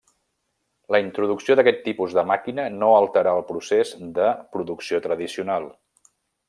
La introducció d'aquest tipus de màquina no alterà el procés de producció tradicional.